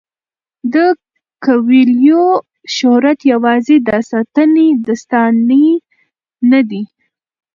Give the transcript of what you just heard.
د کویلیو شهرت یوازې داستاني نه دی.